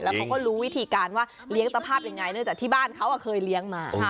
เขาก็รู้วิธีการว่าเลี้ยงสภาพยังไงเนื่องจากที่บ้านเขาเคยเลี้ยงมา